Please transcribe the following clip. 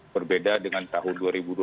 berbeda dengan tahun dua ribu dua puluh